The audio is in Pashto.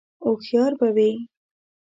_هوښيار به وي؟